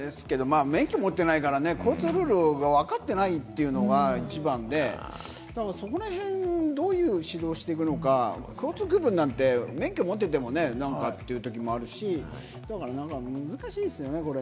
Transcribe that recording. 免許持ってないから交通ルールがわかってないっていうのが一番で、そこらへん、どういう指導していくのか、交通区分なんて免許を持ってても何かって時もあるし、難しいですね。